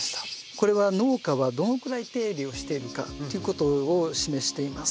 これは農家はどのくらい手入れをしているかということを示しています。